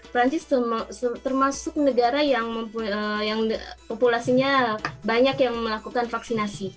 perancis termasuk negara yang populasinya banyak yang melakukan vaksinasi